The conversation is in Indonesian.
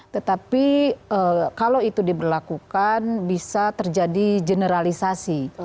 tetapi kalau itu diberlakukan bisa terjadi generalisasi